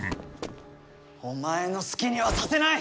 「お前のすきにはさせない！